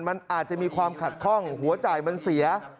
มันอาจจะมีความขัดคล่องหัวใจมันเสีย